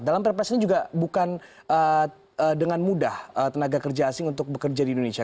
dalam perpres ini juga bukan dengan mudah tenaga kerja asing untuk bekerja di indonesia